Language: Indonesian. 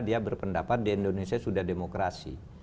dia berpendapat di indonesia sudah demokrasi